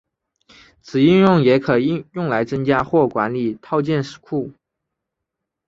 此应用也可用来增加或管理套件库。